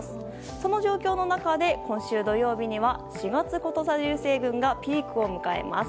その状況の中で今週土曜日には４月こと座流星群がピークを迎えます。